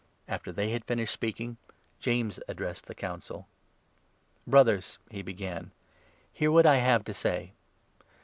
After they had finished speaking, James 13 addressed the Council. "Brothers," he began, " hear what I have to say.